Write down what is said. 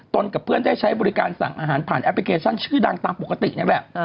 กับเพื่อนได้ใช้บริการสั่งอาหารผ่านแอปพลิเคชันชื่อดังตามปกตินี่แหละ